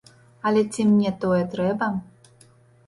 Але ці мне тое трэба?